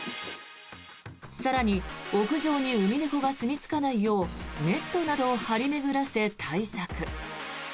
更に、屋上にウミネコがすみ着かないようネットなどを張り巡らせ、対策。